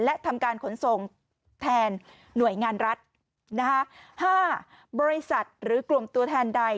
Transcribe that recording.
และทำการขนส่งแทนหน่วยงานรัฐ๕บริษัทหรือกลุ่มตัวแทนใด